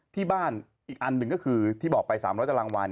ที่บ้านอีกอันหนึ่งก็คือที่บอกไป๓๐๐ตารางวัน